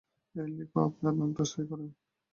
এই লিখে আপনার নামটা সই করবেন।